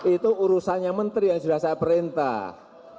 itu urusannya menteri yang sudah saya perintah